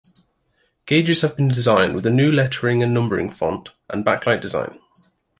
Gauges have been designed with a new lettering and numbering 'font' and backlight design.